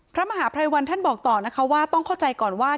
พระมหาภัยวันท่านบอกต่อนะคะว่าต้องเข้าใจก่อนว่า